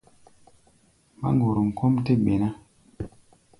Máŋgorom kɔ́ʼm tɛ́ gbɛ̧ ná.